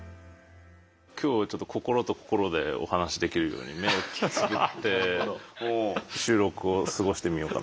今日ちょっと心と心でお話しできるように目をつぶって収録を過ごしてみようかなと思って。